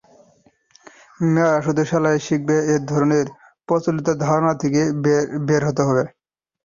মেয়েরা শুধু সেলাই শিখবে—এ ধরনের প্রচলিত ধারণা থেকে বের হতে হবে।